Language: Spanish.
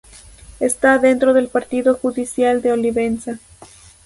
Está dentro del Partido judicial de Olivenza.